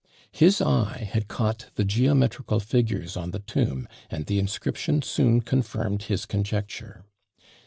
His eye had caught the geometrical figures on the tomb, and the inscription soon confirmed his conjecture.